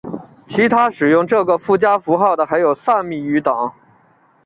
其他使用这个附加符号的还有萨米语等。